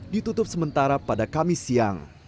ditutup sementara pada kamis siang